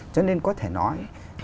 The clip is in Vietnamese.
cho nên có thể nói